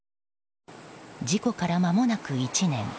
事故から、まもなく１年。